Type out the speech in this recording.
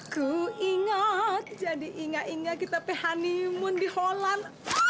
kuingat jadi inga inga kita peh honeymoon di holland